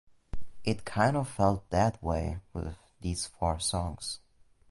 It kind of felt that way with these four songs.